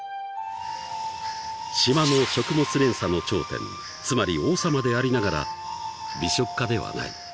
［島の食物連鎖の頂点つまり王様でありながら美食家ではない］